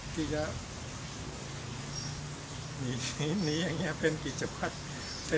ที่จะหนีอย่างนี้เป็นกี่เฉพาะ